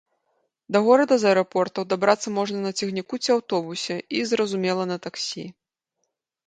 Да горада з аэрапортаў дабрацца можна на цягніку ці аўтобусе і, зразумела, на таксі.